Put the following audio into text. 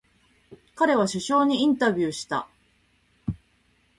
彼は首相にインタビューした。